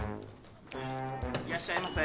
いらっしゃいませ。